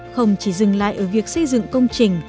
không chỉ dừng lại ở việc xây dựng công trình